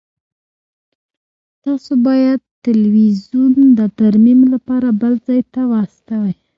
تاسو باید تلویزیون د ترمیم لپاره بل ځای ته واستوئ